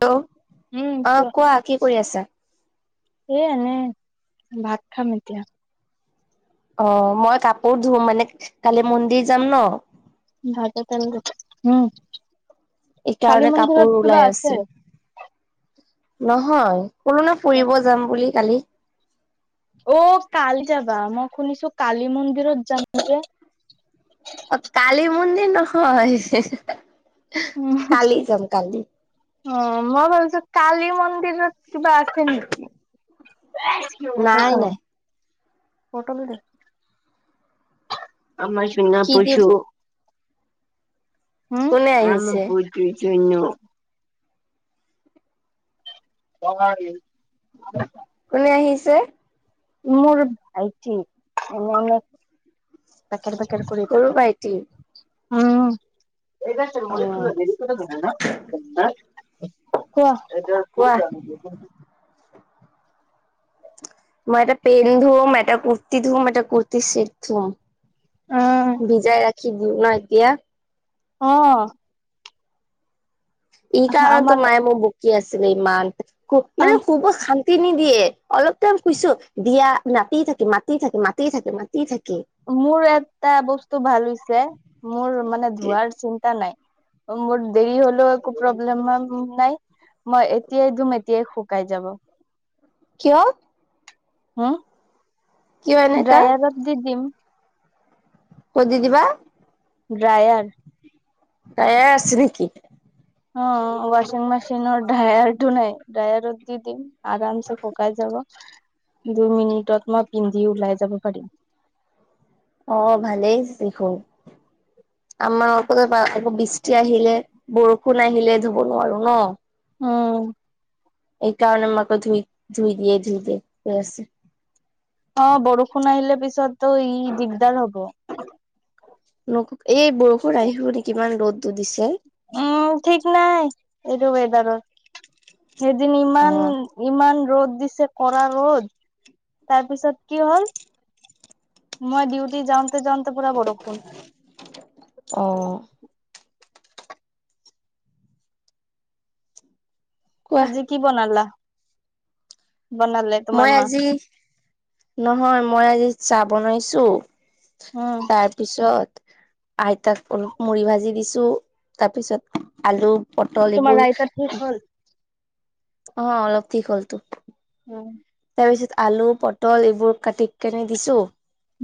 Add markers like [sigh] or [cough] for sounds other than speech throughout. Hello অ কোৱা কি কৰি আছা এ এনেই ভাত খাম এতিয়া অ মই কাপোৰ ধো মানে কালি মন্দিৰ যাম ন ভাতে তেল উম কালি এইকাৰণে মন্দিৰত কাপোৰ কিবা ওলাই আছে আছো নহয় কলো ন ফুৰিব যাম বুলি কালি অ কাল যাবা মই শুনিছো কালি মন্দিৰত যাম যে অ কালী মন্দিৰ নহয় উহু কালি যাম কালি উ মই ভাবছো কালি মন্দিৰত কিবা আছে নেকি, হাছিঅ মা নাই কৃষ্ণ নাই। পটলতো দে আমাৰ চোঙা কি দিব পোইছো। উম কোনে আম আহিছে বুজিচুনু অ [unintelligible] কোনে আহিছে মোৰ ভাইটি ধেনেনেক বেকেৰ বেকেৰ কৰি সৰু থাকে ভাইটি উম এইবাৰ অ। মৰিুল দেৰি হয় ন হে ক এতি প কোৱা জান [unintelligible] মই এটা পেন ধুম এটা কুৰ্তি ধুম এটা কুৰ্তি চেট ধুম অ', ভিজাই ৰাখি দিওঁ না এতিয়া অ ই কাৰণতো আমাৰ মায়ে মোৰ বকি আছিলে ইমান খুব মানে আম খুব শান্তি ন্তি নিদিয়ে অলপ টাইম শোইছো দিয়া মাতি থাকে মাতি থাকে মাতে থাকে মাতি থাকে মোৰ এটা বস্তু ভাল হৈছে মোৰ মানে ধোৱাৰ চিন্তা নাই। মোৰ দেৰি হ'লেও একো প্ৰব্লেম নাই। মই এতিয়াই ধুম এতিয়াই শুকাই যাব। কিয়? হুম। কিয় এনেকা ড্ৰায়াৰত দি দিম। ক'ত দি দিবা? ড্ৰায়াৰ। ড্ৰায়াৰ আছে নেকি? অ ৱাচিং মেচিনৰ ড্ৰায়াৰ তু নাই ড্ৰায়াৰত দি দিম। আৰামচে শুকাই যাব দুই মিনিটত মই পিন্ধি ওলাই যাব পাৰিম। অ ভালেই দেখোন। আমাৰ আকৌ বৃষ্টি আহিলে বৰষুণ আহিলে ধুৱ নোৱাৰোঁ নহ। উম। এইকাৰণে [unintelligible] ধুই-ধুই দিয়ে ধুই দিয়ে আছে। অ বৰষুণ আহিলে পিছততো ই দিগদাৰ হ'ব। নহ এই বৰষুণ আহিব নেকি ইমান ৰ'দটো দিছে। উম ঠিক নাই। এইটো ৱেদাৰৰ সেইদিন অ ইমান। ইমান ৰ'দ দিছে কৰা ৰ'দ তাৰপিছত কি হ'ল? মই ডিউটি যাওঁতে, যাওঁতে পুৰা বৰষুণ। অ। কোৱা আজি কি বনালা বনালে। তোমাৰ মই মা আজি নহয় মই আজি চাহ বনাইছোঁ। উম তাৰ পিছত আইতাক অলপ মুড়ি ভাজি দিছোঁ তাৰপিছত আলু পটল এইবোৰ তোমাৰ আইতাৰ ঠিক হ'ল? অ অলপ ঠিক হ'লতো। উম। তাৰপিছত আলু পটল এইবোৰ কাটি কেনে দিছোঁ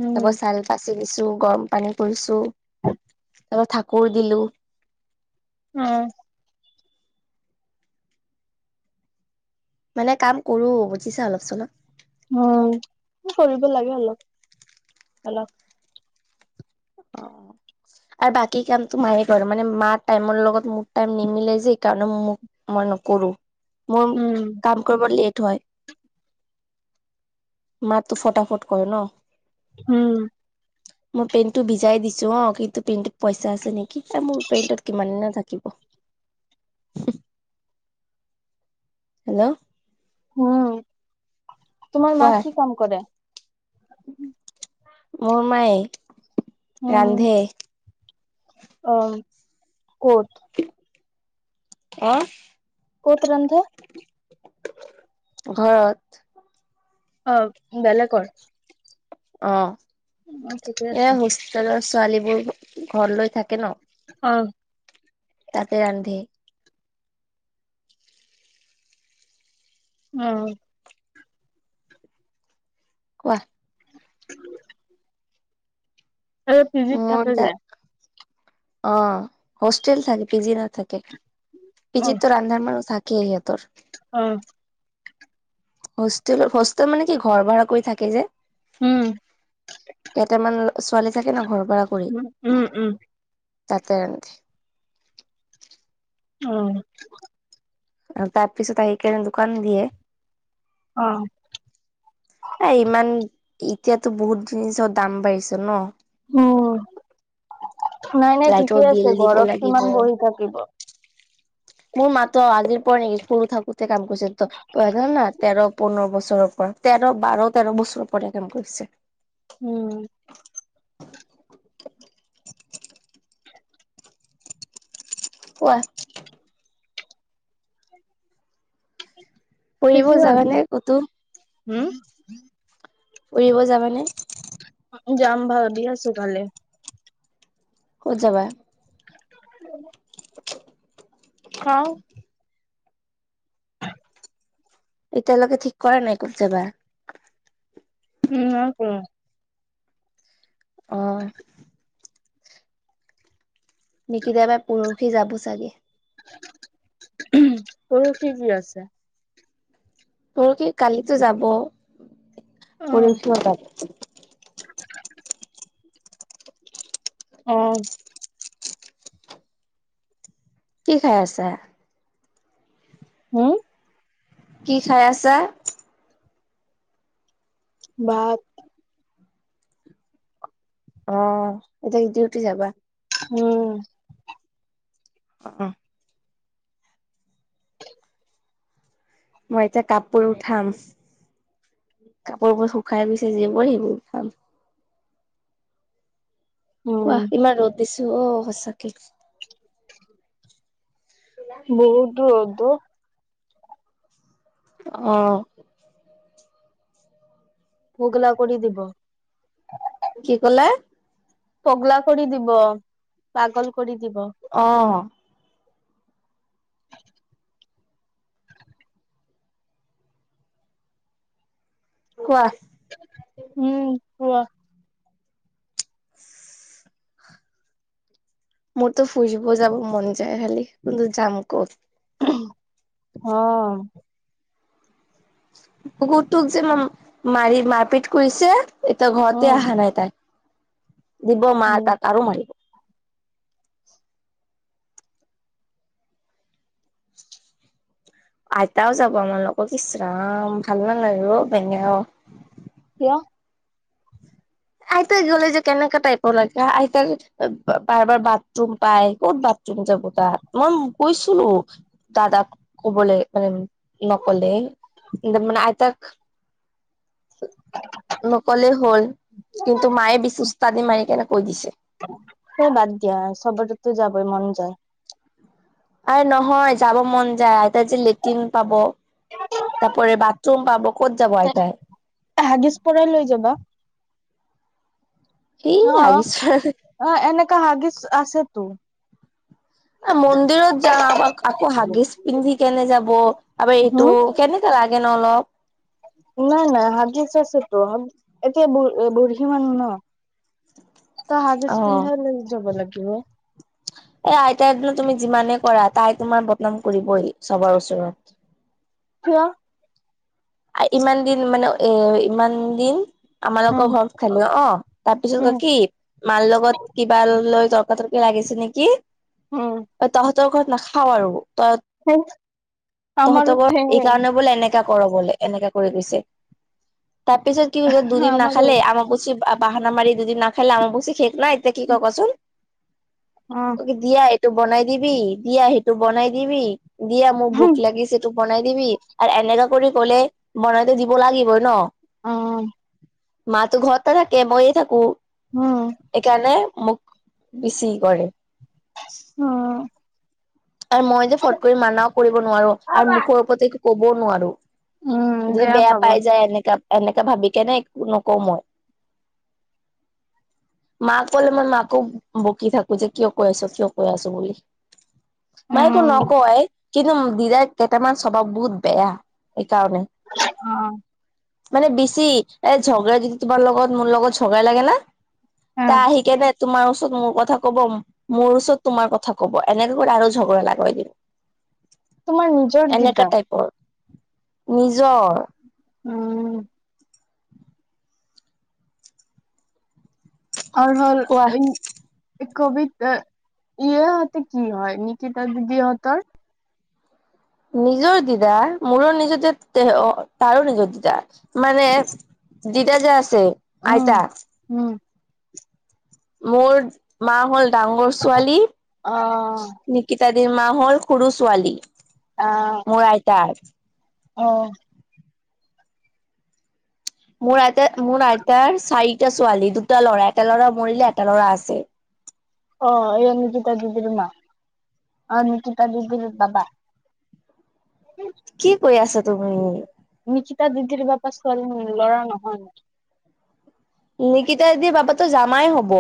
উম আকৌ চাল বাচি দিছোঁ গৰম পানী কৰিছোঁ। [inaudible] [unintelligible] ঠাকুৰ দিলোঁ। অ। মানে কাম কৰোঁ বুজিছা অলপ চলপ। উম কৰিব লাগে অলপ, অলপ। অ। আৰু বাকী কামটো মায়ে কৰে মানে মাৰ টাইমৰ লগত মোৰ টাইম নিমিলে যে সেইকাৰণে মোক মই নকৰোঁ মোৰ উম কাম কৰিব দিলে লেট হয়। মাটো ফটাফট কৰে নহ। উম। মোৰ পেন টো ভিজাই দিছোঁ অ কিন্তু পেণ্টত পইচা আছে নেকি মোৰ পেইণ্টত কিমান [unintelligible] থাকিব। [inaudible] হেল্ল'। উম, তোমাৰ মা কোৱা কি কাম কৰে? মোৰ মায়ে ৰান্ধে অম ক'ত- অ- ক'ত ৰান্ধে ঘৰত অ বেলেকৰ অ অ ঠিকে এ আছে হোষ্টেলৰ ছোৱালীবোৰ ঘৰ লৈ থাকে ন- অ তাতে ৰান্ধে- উম- কোৱা এ পিজিত মোৰ থাকে দা যে অ হষ্টেল থাকে পিজি নাথাকে অ পিজিটো ৰান্ধাৰ মানুহ থাক কে সেহতৰ অ হোষ্টেলত হোষ্টেল মানে কি ঘৰ ভাড়া কৰি থাকে যে- উম কেইটামান ছোৱালী থাকে ন ঘৰ ভাৰা কৰি- উম উম উম তাতে ৰান্ধে- উম অ তাৰ পিছত আহি কেনে দোকান দিয়ে- অ- এ ইমান এতিয়াতো বহুত জিনিছৰ দাম বাঢ়িছে ন- উম নাই নাই লাইটৰ ঠিকে বিল আছে দিব ঘৰত লাগিব। কিমান বহি থাকিব- মোৰ মা ত আজিৰ পৰা নেকি সৰু থাকোতে কাম কৰিছে ত ধৰ না তেৰ পোন্ধৰ বছৰৰ পৰা তেৰ বাৰ তেৰ বছৰৰ পৰা কাম কৰিছে- উম- কোৱা ফুৰিব যাবানে [unintelligible] ক'তো? হুম ফুৰিব যাবা নে যাম ভাবি আছোঁ তালে ক'ত যাবা [unintelligible] [unintelligible] চাও এতিয়ালেকে ঠিক কৰা নাই ক'ত যাবা উম নাই কৰা অ নিকিতা বাৰ পৰখি যাব চাগে পৰখি কি আছে পৰখি কালিতো যাব উম পৰখিও যাব অ কি খাই আছা হুম কি খাই আছা ভাত অ, এতিয়া ডিউটি যাবা? উম। অ অ। [inaudible] মই এতিয়া কাপোৰ উঠাম। কাপোৰবোৰ শুকাই গৈছে যিবোৰ, সেইবোৰ উঠাম। উম। কোৱা? ইমান ৰ'দ দিছে অ সঁচাকে। বহুত দূৰ ৰ'দ অ। অ। পগলা কৰি দিব। কি ক'লে? পগলা কৰি দিব। পাগল কৰি দিব। অ। কোৱা? উম, কোৱা? [inaudible] মোৰতো ফুৰিব যাব মন যায় খালি, কিন্তু যাম ক'ত? অ। কুকুৰটোক যেন মাৰি মাৰপিট কৰিছে। এতিয়া অ ঘৰতে আহা নাই তাই। দিব মাৰ উম, তাক আৰু মাৰিব। [inaudible] আইতাও যাব আমাৰ লগত ইচৰাম, ভাল নালাগে অ বেঙ কিয়? আইতাই গ'লে যে কেনেকা টাইপৰ লাগে আইতাৰ বাৰে বাৰে বাথৰুম পাই ক'ত বা যোন যাব তাত। মই কৈছিলো। দাদাক ক'বলে মানে নক'লে [unintelligible] মানে আইতাক নকলে হ'ল। কিন্তু মায়ে বেছি উস্তাদি মাৰি কেনে কৈ দিছে। সে বাদ দিয়া। সবৰ ততো যাবই মন যায়। আৰে নহয় যাব মন যায়। আইতা যে লেট্ৰিন পাব। তাপৰে বাথৰুম পাব, ক'ত যাব আইতাই? হাগিছ পৰাই লৈ যাবা। অ', [unintelligible] অ, এনেকা হাগিছ আছেতো। মন্দিৰত যাওঁ আ আকৌ হাগিজ পিন্ধি কেনে যাব। আবে এইটো হম, কেনেকে লাগে ন অলপ। নাই নাই হাগিচ আছেত'। এতিয়া বু বুঢ়ী মানুহ ন। তা হাগিছ অ পিন্ধাই লৈ যাব লাগিব। এ আইতাৰ [unintelligible] তুমি যিমানে কৰা তাই তোমাৰ বদনাম কৰিবই চবৰ ওচৰত। কিয়? ইমান দিন মানে এ ইমান দিন উম, আমালোকৰ ঘৰত খালো অ, তাৰ পিছত উম, কয় কি? মাৰ লগত কিবা লৈ তৰ্ক তৰ্কি লাগিছে নেকি? উম। তহঁতৰ ঘৰত নাখাও আৰু তই হ তহঁত ব এই কাৰণে বোলে এনেকা কৰ বোলে এনেকা কৰি গৈছে। তাৰ পিছত কি হৈছে দুদিন ন আমাৰো। খালে আমাক বুচি বাহানা মাৰি দুদিন না খালে, আমাক বুছি শেক নাই এতিয়া কি ক কচোন। [unintelligible] অহ। দিয়া এইটো বনাই দিবি, দিয়া সেইটো বনাই দিবি, দিয়া মোৰ ভোক উম, লাগিছে টো বনাই দিবি আৰু এনেকাা কৰি কলে বনাইতো দিব লাগিবই ন। অ। মাতো ঘৰতে থাকে মই থাকো। [inaudible] এইকাৰণে মোক বেছি কৰে। অ। আৰু মই যে ফট কৰি মানাও কৰিব নোৱাৰো আৰু মুখৰ ওপৰতো কবও নোৱাৰো। উম, যদি বেয়া পাব। পাই যায় এনেকা এনেকা ভাবি কেনে একো নকওঁ মই। মাক কলে মই মাকো বকি থাকো যে কিয় কৈ আছ কিয় কৈ আছ বুলি। মায়ে একো উম, নকয় কিন্তু দিৰাই কেইটামান ছভাৱ বহুত বেয়া এইকাৰণে। অ। মানে বেছি এ ঝগাই যদি তোমাৰ লগত মোৰ লগত ঝগৰা লাগে না উম, তাই আহি কেনে তোমাৰ ওচৰত মোৰ কথা কব, মোৰ ওচৰত তোমাৰ কথা কব এনেক আৰু ঝগৰা লগাই দিয়ে, তোমাৰ নিজৰ গীতা। এনেকা টাইপৰ। নিজৰ উম। হল হল কোৱা ইন কবিতা ইয়ে য়াতে কি হয়, নিকিতা দিদি হেতৰ। নিজৰ দিবা, মোৰো নিজতেতে অ তাৰো নিজৰ দিবা মানে দিতা যে আছে আইতা উম। মোৰ মা হল ডাঙৰ ছোৱালী নিকিতাদি মা হ'ল সৰু ছোৱালী মোৰ আইতাৰ। অহ। মোৰ আইতা মোৰ আইতাৰ চাৰিটা ছোৱালী দুটা ল'ৰা এটা ল'ৰা মৰিলে এটা ল'ৰা আছে। অ এ নিতিত দদিৰ মা, অ নিতি ত দদিৰ বাবা। [unintelligible] কি কৰি আছা তুমি? নিকিতা দিদিৰ বাপা ছোৱালী ল'ৰা নহয় নিকিতা দি বাবা টো জামাই হব।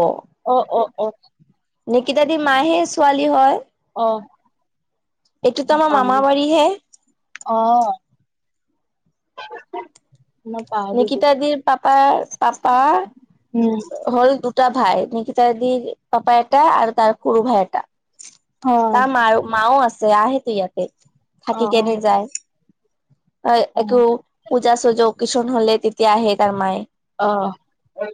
অ অ অ নেকিতা দি মা হে ছোৱালী হয়। অ এইটোতো আমাৰ মামা বাৰী হে। অহ নিকিতা দিৰ পাপা পাপা উম হ'ল দুটা ভাই, নিকিতা দিৰ পাপা এটা আৰু তাৰ সৰু ভাই এটা। অ তাৰ মাৰ মাও আছে আহেতো ইয়াতে, অ থাকি কেনে যায়। অ এটো পূজা চোজা অক্কেচন হলে তেতিয়া আহে তাৰ মায়ে। অ হয়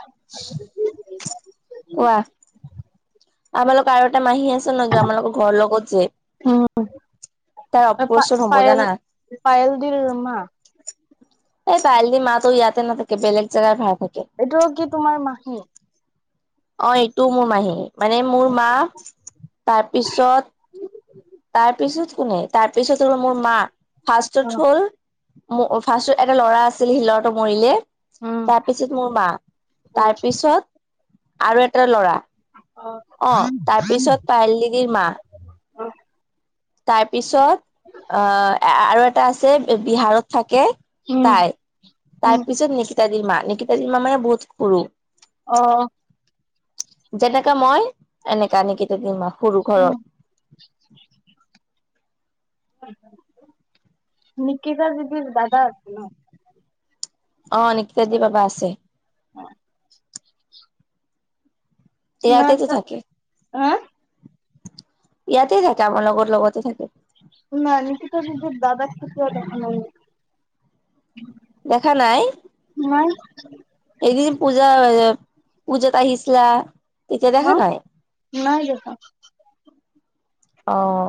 [inaudible] কোৱা আপোনালোকৰ আৰু এটা মাহী আছে ন আমাৰলোকৰ ঘৰৰ লগত যে। উম তাৰ প অপাৰেচন হ'ব পায়ল জানা। পায়ল দিলমা। এই কাইলি মাতো ইয়াতে নাথাকে বেলেগ জাগাই ভাড়া থাকে এইটো কি তোমাৰ মাহী অ এইটোও মোৰ মাহী মানে মোৰ মা তাৰপিছত তাৰপিছত কোনে তাৰপিছত হ'ল মোৰ ম অ ফাৰ্ষটত হ'ল ফাৰ্ষ্টত এটা ল'ৰা আছিল সি ল'ৰাটো মৰিলে উম তাৰপিছত মোৰ মা অ তাৰপিছত আৰু এটা ল'ৰা অ অ তাৰ পিছত পাৰলিগিৰ মা অ তাৰপিছত আহ আৰু এটা আছে বিহাৰত থাকে উম তাই তাৰ উম পিছত নিকিতাদিৰ মা নিকিতাদিৰ মা মানে বহুত সৰু অ যেনেকা মই এনেকা নিকিতা দি মই সৰু ঘৰত উম নিকিতা দিদিৰ দাদা আছে ন অ নিকিতা দি বাবা আছে অ নাই ইয়াতেতো ত থাকে হা ইয়াতে থাকে আমাৰ লগৰ লগতে থাকে নাই নকি ত নিজৰ দাদাকটো কিয় দেখা নাই দেখা নাই নাই, এদিন পূজা পূজাত আহিছিলা তেতিয়া দেখা না, নাই নাই দেখা। আহ